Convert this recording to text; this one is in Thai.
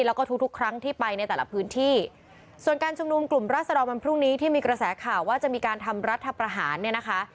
แล้วก็ทุกทุกครั้งที่ไปในแต่ละพื้นที่ส่วนการชุมนุมกลุ่มราศดรวันพรุ่งนี้ที่มีกระแสข่าวว่าจะมีการทำรัฐประหารเนี่ยนะคะ